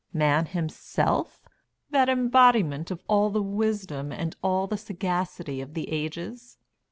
Man himself that embodiment of all the wisdom and all the sagacity of the ages?"